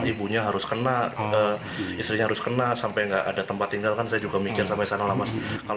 ibunya harus kena istrinya harus kena sampai nggak ada tempat tinggal kan saya juga mikir sampai sana lah mas